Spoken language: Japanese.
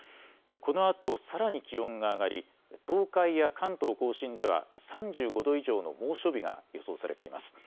このあと、さらに気温が上がり東海や関東甲信では３５度以上の猛暑日が予想されています。